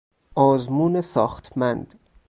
آزمون ساختمند